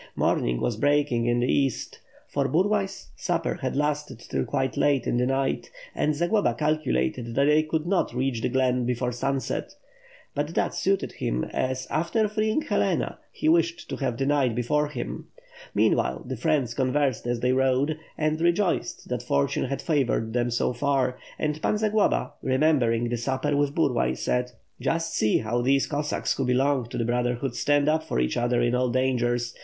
Morning was breaking in the east, for Burlay's supper had lasted till quite late in the night; and Zagloba calculated that they could not reach the glen before sunset. But that suited him, as, after freeing Helena, he wished to have the night be fore him. Meanwhile, the friends conversed as they rode, and rejoiced that fortune had favored them so far; and Pan Zagloba, remembering the supper with Burlay, said: "Just see how these Cossacks who belong to the brother hood stand up for each other in all dangers!